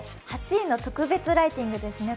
８位の特別ライティングですね。